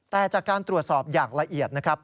แต่จากการตรวจสอบอย่างละเอียดนะครับ